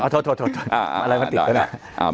โทษอะไรมันติดตรงนั้น